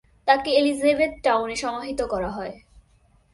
তাকে এলিজাবেথটাউনে সমাহিত করা হয়।